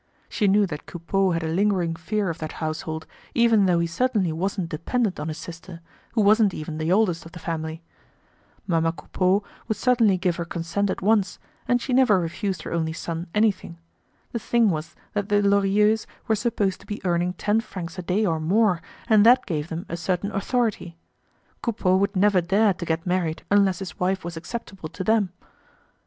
She knew that Coupeau had a lingering fear of that household, even though he certainly wasn't dependent on his sister, who wasn't even the oldest of the family. Mamma Coupeau would certainly give her consent at once, as she never refused her only son anything. The thing was that the Lorilleuxs were supposed to be earning ten francs a day or more and that gave them a certain authority. Coupeau would never dare to get married unless his wife was acceptable to them.